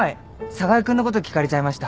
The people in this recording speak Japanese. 寒河江君のこと聞かれちゃいました。